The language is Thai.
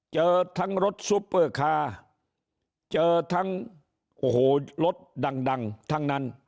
เจอทั้งรถซุปเปอร์คาร์เจอทั้งโอ้โหรถดังทั้งนั้น